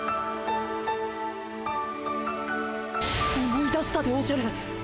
思い出したでおじゃる。